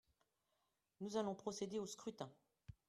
Nous allons procéder au scrutin.